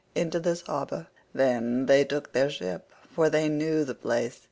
Into this harbour, then, they took their ship, for they knew the place.